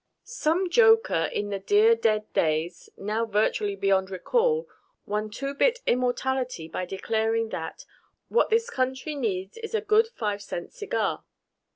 Some joker in the dear, dead days now virtually beyond recall won two bit immortality by declaring that, "What this country needs is a good five cent cigar."